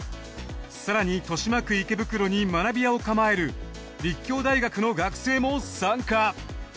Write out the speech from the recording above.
更に豊島区池袋に学び舎を構える立教大学の学生も参加。